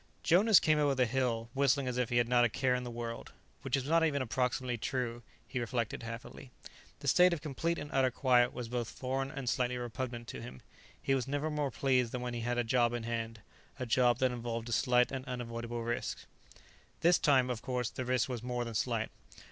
Jonas came over the hill whistling as if he had not a care in the world which was not even approximately true, he reflected happily. The state of complete and utter quiet was both foreign and slightly repugnant to him; he was never more pleased than when he had a job in hand, a job that involved a slight and unavoidable risk. This time, of course, the risk was more than slight.